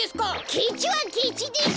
ケチはケチでしょ！